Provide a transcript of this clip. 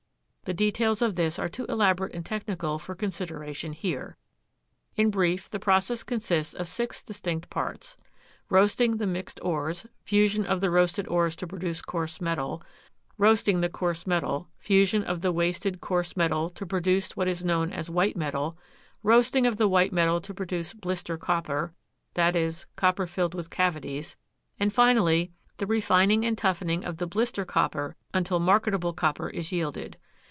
The details of this are too elaborate and technical for consideration here. In brief, the process consists of six distinct parts roasting the mixed ores, fusion of the roasted ores to produce coarse metal, roasting the coarse metal, fusion of the wasted coarse metal to produce what is known as white metal, roasting of the white metal to produce blister copper, i. e., copper filled with cavities, and finally the refining and toughening of the blister copper until marketable copper is yielded.